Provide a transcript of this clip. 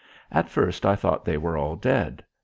At first I thought they were all dead.